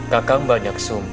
kakak banyak sumba